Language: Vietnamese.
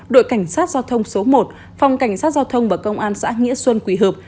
đội cảnh sát giao thông số một phòng cảnh sát giao thông và công an xã nghĩa xuân quỳ hợp